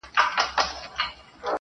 په زر چنده مرگ بهتره دی.